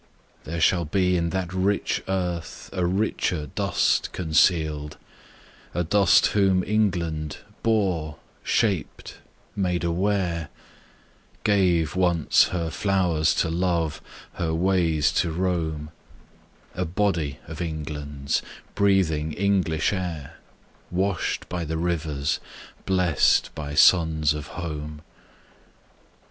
There shall be In that rich earth a richer dust concealed; A dust whom England bore, shaped, made aware, Gave, once, her flowers to love, her ways to roam, A body of England's, breathing English air, Washed by the rivers, blest by suns of home.